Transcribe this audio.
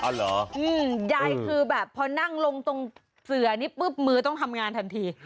ยายคือแบบพอนั่งลงตรงเสือนี้ปุ๊บมือต้องทำงานทันที